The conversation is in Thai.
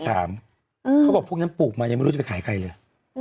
เขาบอกพวกนั้นปลูกมายังไม่รู้จะไปขายใครเลย